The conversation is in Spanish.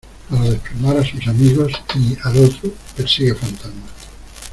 para desplumar a sus amigos y, al otro , persigue fantasmas